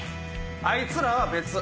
あいつらは別。